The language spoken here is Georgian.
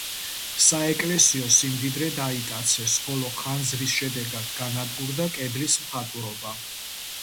საეკლესიო სიმდიდრე დაიტაცეს, ხოლო ხანძრის შედეგად განადგურდა კედლის მხატვრობა.